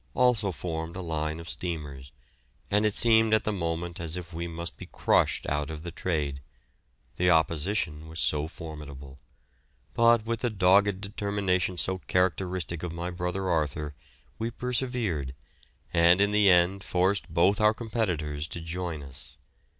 also formed a line of steamers, and it seemed at the moment as if we must be crushed out of the trade, the opposition was so formidable; but with the dogged determination so characteristic of my brother Arthur we persevered, and in the end forced both our competitors to join us.